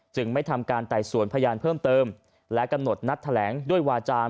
ไม่ทำการไต่สวนพยานเพิ่มเติมและกำหนดนัดแถลงด้วยวาจา